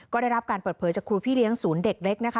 ก็ได้รับการเปิดเผยจากครูพี่เลี้ยงศูนย์เด็กเล็กนะคะ